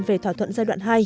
về thỏa thuận giai đoạn hai